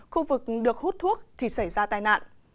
khu vực được hút thuốc thì xảy ra tai nạn